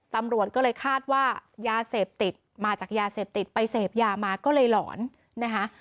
ตำรวจก็เลยคาดว่ายาเสพติดมาจากยาเสพติดไปเสพยามาก็เลยหลอนนะคะ